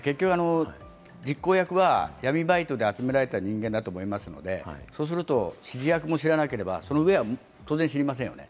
実行役は闇バイトで集められた人間だと思いますので、そうすると指示役も知らなければ、その上は当然知りませんね。